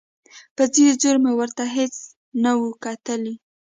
په ځیر ځیر مو ورته هېڅ نه و کتلي.